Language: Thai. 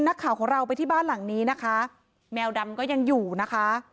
นักข่าวของเราไปที่บ้านหลังนี้นะคะแมวดำก็ยังอยู่นะคะ